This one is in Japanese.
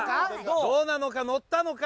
どうなのか乗ったのか？